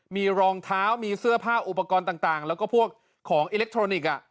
มีรองเท้ามีเสื้อผ้าอุปกรณ์ต่างแล้วก็พวกของอิเล็กทรอนิกส์